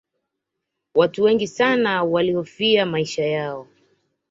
watu wengi sana walihofia maisha yao